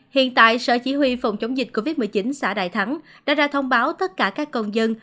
hiện tại sở chỉ huy phòng chống dịch covid một mươi chín xã đại thắng đã ra thông báo tất cả các công dân